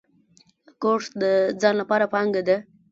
کورس د ځان لپاره پانګه ده.